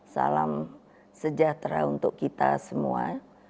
salam sejahtera untuk kita semua